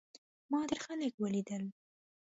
ما ډېر خلک ولیدل.